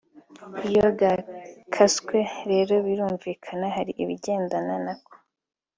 iyo gakaswe rero birumvikana hari ibigendana nako